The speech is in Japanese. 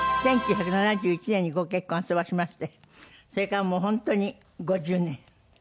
１９７１年にご結婚あそばしましてそれからもう本当に５０年。